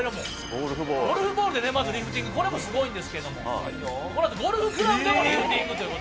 ゴルフボールでリフティング、これもすごいですけど、ゴルフクラブでもリフティング。